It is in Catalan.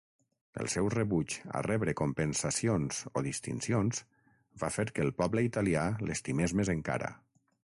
El seu rebuig a rebre compensacions o distincions va fer que el poble italià l"estimés més encara.